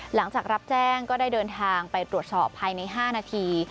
หลังจากรับแจ้งก็ได้เดินทางไปตรวจสอบภายใน๕นาที